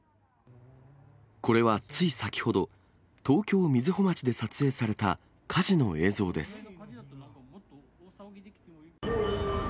これはつい先ほど、東京・瑞穂町で撮影された火事の映像です。